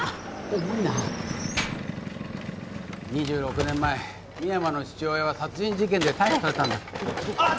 重いな２６年前深山の父親は殺人事件で逮捕されたんだあっ！